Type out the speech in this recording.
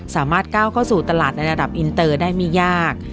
สามารถก้าวเข้าสู่ตลาดในระดับอินเตอร์ได้ไม่ยาก